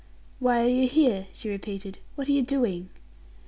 "Why are you here?" she repeated. "What are you doing?"